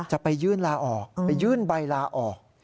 จะไปยื่นลาออกไปยื่นใบลาออก